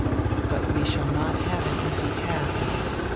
But we shall not have an easy task.